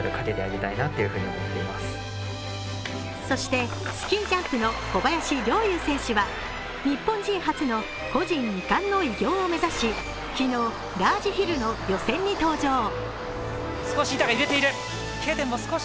そしてスキージャンプの小林陵侑選手は日本人初の個人２冠の偉業を目指し昨日、ラージヒルの予選に登場。